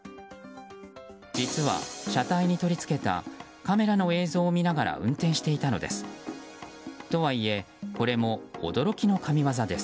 実は、車体に取り付けたカメラの映像を見ながら運転していたのです。